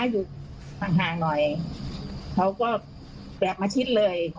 อยู่ห่างหน่อยเขาก็แบบมาชิดเลย